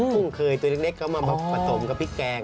กุ้งเคยตัวเล็กเขามาผสมกับพริกแกง